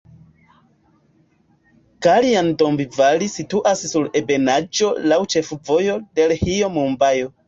Kaljan-Dombivali situas sur ebenaĵo laŭ ĉefvojo Delhio-Mumbajo.